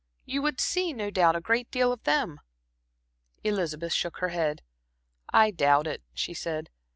You would see, no doubt, a great deal of them." Elizabeth shook her head. "I doubt it," she said.